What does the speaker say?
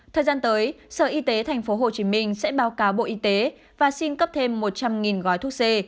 thời gian tới sở y tế tp hcm sẽ báo cáo bộ y tế và xin cấp thêm một trăm linh gói thuốc c